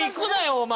お前